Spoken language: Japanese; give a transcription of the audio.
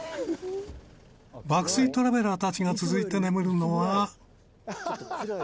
［爆睡トラベラーたちが続いて眠るのは］